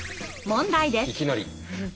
問題です。